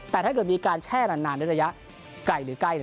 แต่ถ้าเกิดมีการแช่นานด้วยระยะไกลหรือใกล้